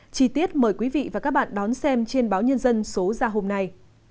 chi tiết mời quý vị và các bạn đón xem trên báo nhân dân số ra hôm nay